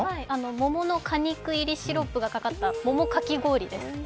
桃の果肉入りシロップがかかった、桃かき氷です。